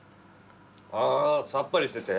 あぁさっぱりしてて？